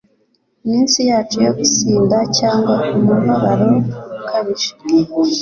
iminsi yacu yo gusinda cyangwa umubabaro ukabije